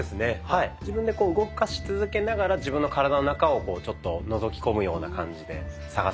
自分でこう動かし続けながら自分の体の中をちょっとのぞき込むような感じで探されるといいと思います。